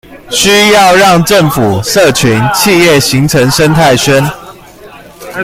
需要讓政府、社群、企業形成生態圈